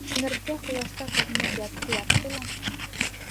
Сиңерткә ҡояшта ҡыҙынып ятты-ятты ла: